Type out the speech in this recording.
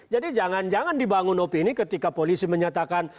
jadi jangan jangan dibangun opini ketika polisi menyatakan